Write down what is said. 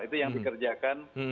itu yang dikerjakan